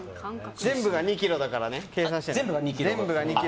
全部が２ｋｇだから計算してね。